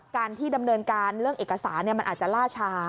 การที่ดำเนินการเรื่องเอกสารมันอาจจะล่าชา